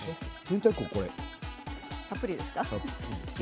たっぷりですか？